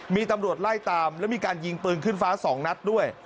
มีตำรวจไล่ตามแล้วมีการยิงปืนขึ้นฟ้า๒นัดด้วย